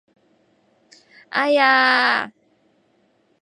哎呀!